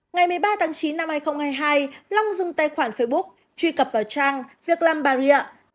ngày một mươi ba tháng chín năm hai nghìn hai mươi hai long dùng tài khoản facebook truy cập vào trang việc làm bà rịa